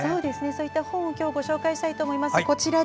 そういう本を今日ご紹介したいと思います。